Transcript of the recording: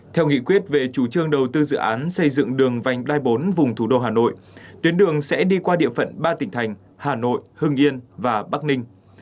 theo nghị quyết về chủ trương đầu tư dự án xây dựng đường vành đai bốn vùng thủ đô hà nội tuyến đường sẽ đi qua địa phận ba tỉnh thành hà nội hưng yên và bắc ninh